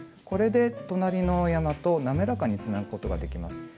これで隣の山と滑らかにつなぐことができます。